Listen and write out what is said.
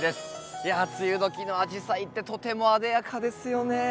いや梅雨時のアジサイってとてもあでやかですよね。